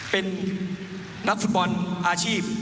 เป็นนักฟุตบอลอาชีพ